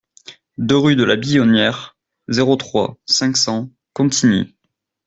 deux rue de Billonnière, zéro trois, cinq cents Contigny